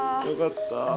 よかった。